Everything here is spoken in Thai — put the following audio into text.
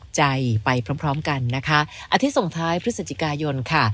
ใจไปพร้อมพร้อมกันนะคะอาทิตย์ส่งท้ายพฤศจิกายนค่ะ